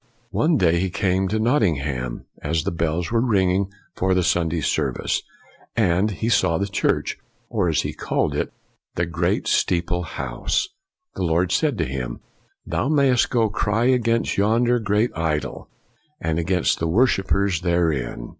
One day he came to Nottingham as the bells were ringing for the Sunday service, and as he saw the church, or, as he called it, the " great steeple house," the Lord said to him, " Thou must go cry against yon der great idol, and against the worshipers therein.'